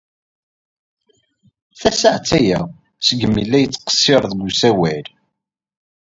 Tasaɛet aya seg mi ay la yettqeṣṣir deg usawal.